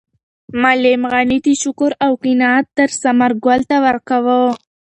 معلم غني د شکر او قناعت درس ثمرګل ته ورکاوه.